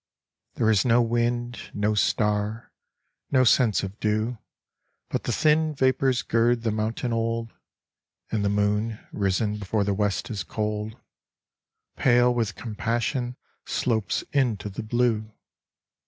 There is no wind, no star, no sense of dew, But the thin vapors gird the mountain old, And the moon, risen before the west is cold, Pale with compassion slopes into the blue.